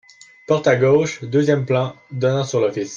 Porte à gauche, deuxième plan, donnant sur l’office.